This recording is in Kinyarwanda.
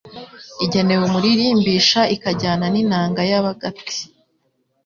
Igenewe umuririmbisha ikajyana n’inanga y’Abagati